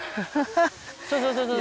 そうそうそうそう。